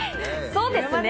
そうですね。